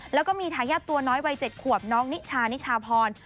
แล้วก็มีทายาทตัวน้อยวัย๗ขวบน้องนิชานิชาพร